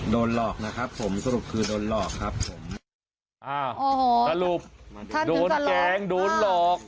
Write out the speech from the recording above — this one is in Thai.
โดนหลอกนะครับผมสรุปคือโดนหลอกครับผมอ้าโอ้โหสรุปท่านคือโดนแกงโดนหลอก